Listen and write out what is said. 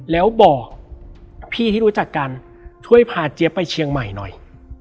แล้วบอกพี่ที่รู้จักกันช่วยพาเจี๊ยบไปเชียงใหม่หน่อย